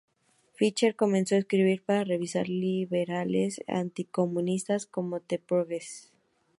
Fischer comenzó a escribir para revistas liberales anticomunistas, como "The Progressive".